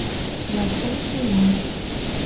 «Латшымше май.